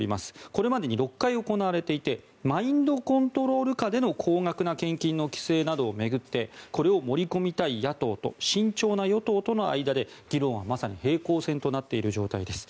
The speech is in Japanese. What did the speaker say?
これまでに６回行われていてマインドコントロール下での高額な献金の規制などを巡ってこれを盛り込みたい野党と慎重な与党との間で議論はまさに平行戦となっている状態です。